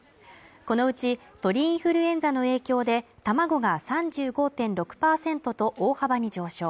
このうち、鳥インフルエンザの影響で卵が３５．６％と大幅に上昇。